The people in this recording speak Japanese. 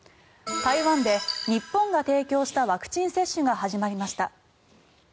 台湾で日本が提供したワクチン接種が始まりました。